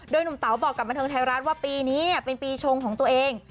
หนุ่มเต๋าบอกกับบันเทิงไทยรัฐว่าปีนี้เป็นปีชงของตัวเอง